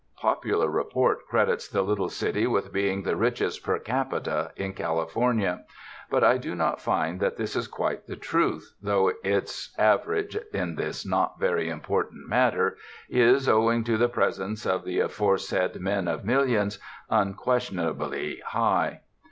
Popular report credits the little city with being the richest per capita in California; but I do not find that this is quite the truth, though its average in this not very important matter is, owing to the presence of the aforesaid men of millions, unquestionably high.